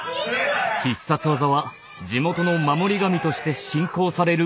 必殺技は地元の守り神として信仰される